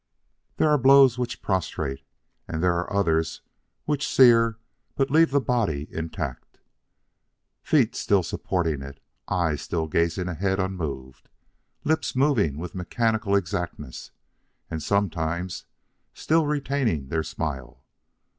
There are blows which prostrate; there are others which sear but leave the body intact feet still supporting it eyes still gazing ahead unmoved lips moving with mechanical exactness and sometimes still retaining their smile.